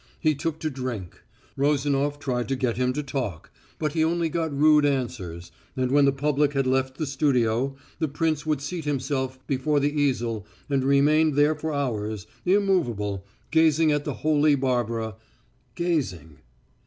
He took to drink. Rozanof tried to get him to talk, but he only got rude answers, and when the public had left the studio, the prince would seat himself before the easel and remain there for hours, immovable, gazing at the holy Barbara, gazing....